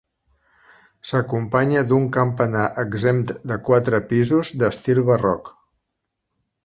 S'acompanya d'un campanar exempt de quatre pisos d'estil barroc.